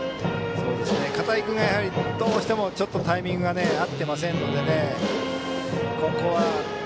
片井君がどうしてもちょっとタイミングが合っていませんのでね。